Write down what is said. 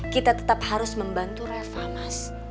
kita tetap harus membantu reva mas